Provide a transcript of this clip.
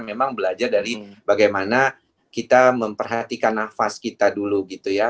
memang belajar dari bagaimana kita memperhatikan nafas kita dulu gitu ya